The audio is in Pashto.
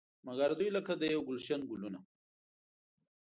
مګر دوی لکه د یو ګلش ګلونه.